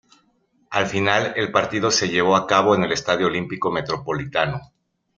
Al final; el partido se llevó a cabo en el estadio Olímpico Metropolitano.